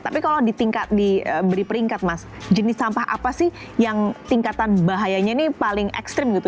tapi kalau di tingkat diberi peringkat mas jenis sampah apa sih yang tingkatan bahayanya ini paling ekstrim gitu